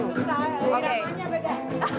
susah gerakannya beda